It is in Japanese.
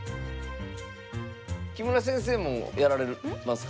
木村先生もやられますか？